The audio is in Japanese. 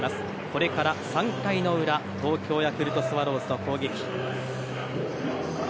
これから３回の裏東京ヤクルトスワローズの攻撃。